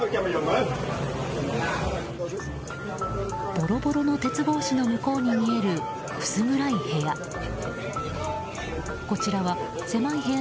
ぼろぼろの鉄格子の向こうに見える薄暗い部屋。